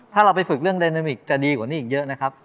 ถ้าเราไปฝึกเรื่องไดนามิกจะดีกว่านี้อีกเยอะนะครับ